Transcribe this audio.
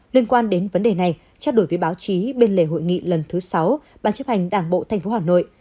liên quan đến vấn đề này trao đổi với báo chí bên lề hội nghị lần thứ sáu ban chấp hành đảng bộ tp hà nội